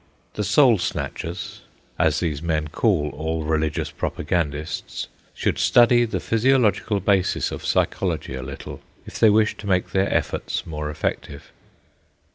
The "soul snatchers" (as these men call all religious propagandists), should study the physiological basis of psychology a little, if they wish to make their efforts more effective.